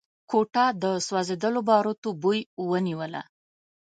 کوټه د سوځېدلو باروتو بوی ونيوله.